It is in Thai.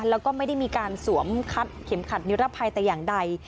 แล้วก็ไม่ได้มีการสวมคัดเข็มขัดนิรภัยแต่อย่างใด